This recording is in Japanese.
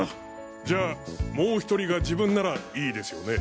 じゃあもう１人が自分ならいいですよね？